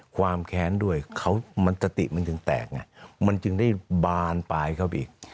ความแค้นด้วยมันสติมันจึงแตกไงมันจึงได้บานปลายเข้าไปอีก